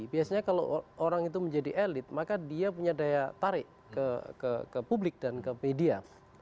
biasanya kalau orang itu menjadi elit maka dia punya daya tarik ke publik dan ke media